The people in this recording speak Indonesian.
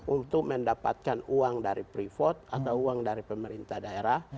untuk mendapatkan uang dari pripot atau uang dari pemerintah daerah